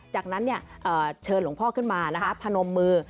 จากนั้นเชิญหลวงพ่อขึ้นมาพนมมือ